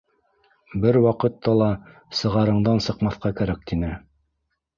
Бер ваҡытта ла сығырыңдан сыҡмаҫҡа кәрәк! —тине.